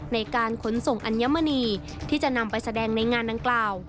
ในการขนส่งอัญมณีที่จะนำไปแสดงในงานดังกล่าว